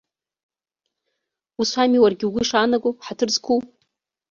Ус ами уаргьы угәы ишаанаго, ҳаҭыр зқәу.